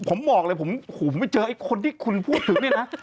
ผมบอกเลยผมไปเจอไอ้คนที่คุณพูดถึงเนี่ยนะ